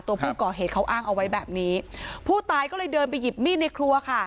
ตัวผู้ก่อเหตุเขาอ้างเอาไว้แบบนี้ผู้ตายก็เลยเดินไปหยิบมีดในครัวค่ะ